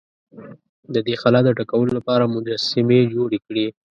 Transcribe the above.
د دې خلا د ډکولو لپاره مجسمې جوړې کړې.